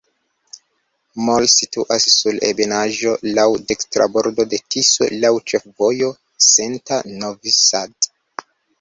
Mol situas sur ebenaĵo, laŭ dekstra bordo de Tiso, laŭ ĉefvojo Senta-Novi Sad.